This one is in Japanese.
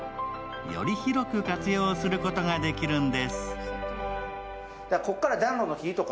より広く活用することができるんです。